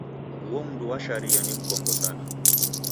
Uo mndu wa sharia ni mkongo sana.